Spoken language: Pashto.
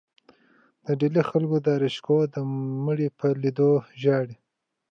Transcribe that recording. د ډیلي خلکو د داراشکوه د مړي په لیدو ژړل.